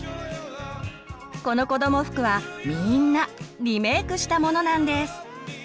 このこども服はみんなリメークしたものなんです。